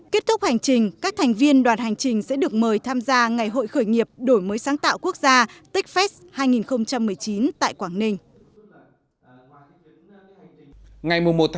kết thúc hành trình các thành viên đoàn hành trình sẽ được mời tham gia ngày hội khởi nghiệp đổi mới sáng tạo quốc gia techfest hai nghìn một mươi chín tại quảng ninh